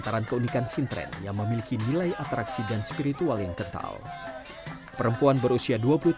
tapi milk oil yang dari